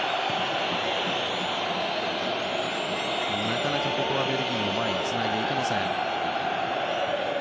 なかなかベルギーはここは前につないでいけません。